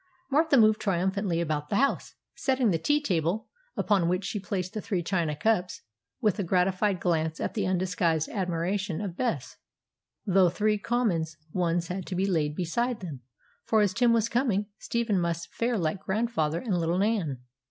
Martha moved triumphantly about the house, setting the tea table, upon which she placed the three china cups, with a gratified glance at the undisguised admiration of Bess; though three common ones had to be laid beside them, for, as Tim was coming, Stephen must fare like grandfather and little Nan.